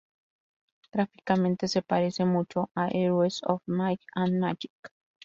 Gráficamente, se parece mucho a "Heroes of Might and Magic".